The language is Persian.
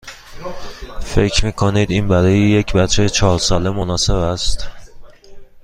فکر می کنید این برای یک بچه چهار ساله مناسب است؟